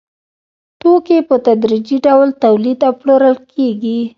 توکي په تدریجي ډول تولید او پلورل کېږي